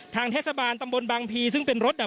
ทางเทศบาลตำบลบางพีซึ่งเป็นรถอ่ะ